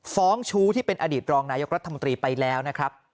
ชู้ที่เป็นอดีตรองนายกรัฐมนตรีไปแล้วนะครับ